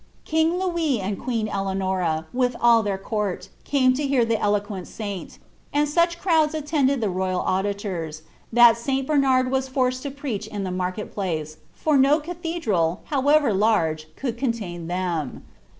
King Louis and queen Eieanora, with all ibrir courl, came to hear the eloquent sa'uit ; and such crowds attf ndeil th* niynl auilitors, that Sl Bernard was forced to preach in the market place, for no cathedral, however large, could contain them.